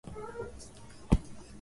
Mimi siwezi kujisaidia